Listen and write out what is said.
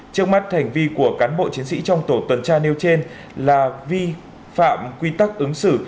trước mắt hành vi của cán bộ chiến sĩ trong tổ tuần tra nêu trên là vi phạm quy tắc ứng xử